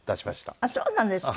ああそうなんですか？